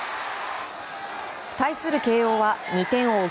対する慶應は２点を追う